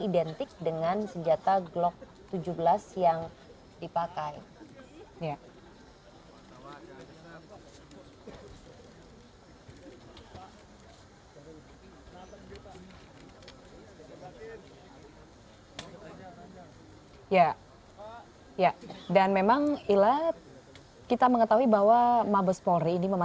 dan untuk mengetahui bagaimana